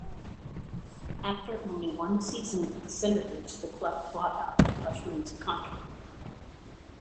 After only one season with the Senators, the club bought out Boschman's contract.